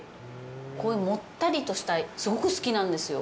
こういうもったりとしたの、すごく好きなんですよ。